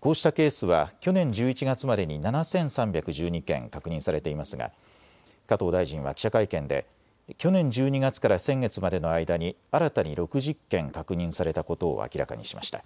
こうしたケースは去年１１月までに７３１２件確認されていますが加藤大臣は記者会見で去年１２月から先月までの間に新たに６０件確認されたことを明らかにしました。